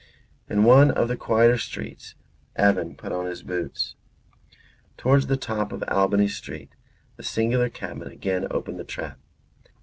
In one of the quieter streets Evan put on his boots. Towards the top of Albany Street the singular cabman again opened the trap.